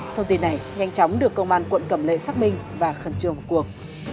thông tin này nhanh chóng được công an quận cầm lệ xác minh và khẩn trường cuộc